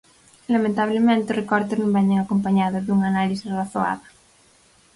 Lamentablemente, os recortes non veñen acompañados dunha análise razoada.